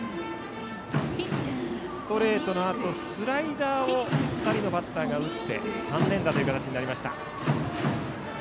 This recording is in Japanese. ストレートのあとスライダーを２人のバッターが打って３連打となりました。